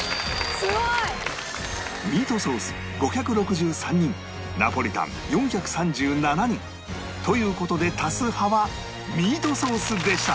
すごい！ミートソース５６３人ナポリタン４３７人という事で多数派はミートソースでした